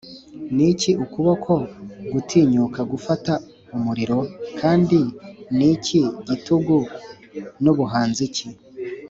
niki ukuboko gutinyuka gufata umuriro? kandi niki gitugu, nubuhanzi ki,